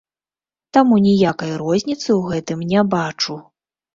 Таму ніякай розніцы ў гэтым не бачу.